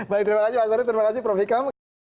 baik terima kasih mas arief terima kasih prof ikam